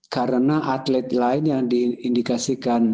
karena atlet lain yang diindikasikan